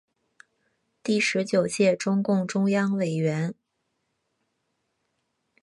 第十九届中共中央委员。